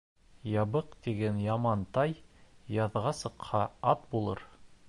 Ябыҡ тигән яман тай, яҙға сыҡһа, ат булыр